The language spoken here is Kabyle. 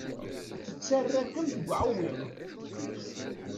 Tettarra-kem deg uɛewwiq.